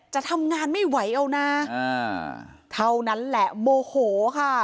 จะทำงานไม่ไหวเอานะเท่านั้นแหละโมโหค่ะ